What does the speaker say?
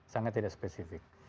sangat tidak spesifik